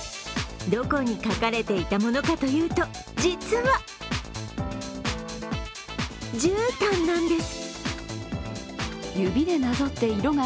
どこに描かれていたものかというと実はじゅうたんなんです。